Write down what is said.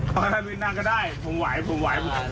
ถ้าบิ๊กนั่งก็ได้ผมไหว